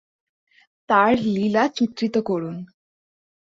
তার লীলা চিত্রিত করুন।